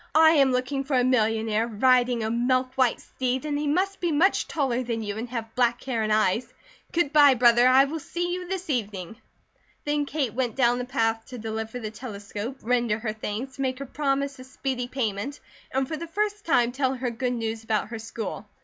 "I am looking for a millionaire, riding a milk white steed, and he must be much taller than you and have black hair and eyes. Good bye, brother! I will see you this evening." Then Kate went down the path to deliver the telescope, render her thanks, make her promise of speedy payment, and for the first time tell her good news about her school.